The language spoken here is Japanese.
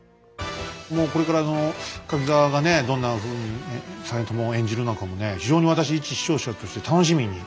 もうこれから柿澤がどんなふうに実朝を演じるのかもね非常に私一視聴者として楽しみに。